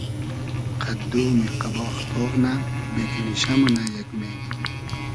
قئد دومی قئباغ تۉغ نۂ ، بېگنیشۂ مونۂ یئگمې